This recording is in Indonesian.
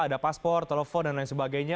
ada paspor telepon dan lain sebagainya